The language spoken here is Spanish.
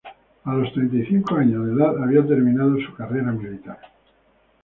A los treinta y cinco años de edad, había terminado su carrera militar.